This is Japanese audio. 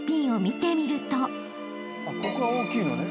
あっここは大きいのね。